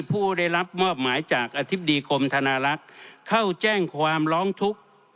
ผู้ได้รับมอบหมายจากอธิบดีกรมธนาลักษณ์เข้าแจ้งความร้องทุกข์